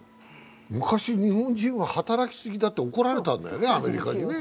昔、日本人は働きすぎだと怒られたんだよね、アメリカにね。